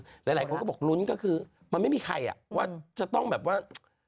หลายคนก็บอกลุ้นก็คือมันไม่มีใครอ่ะว่าจะต้องแบบว่า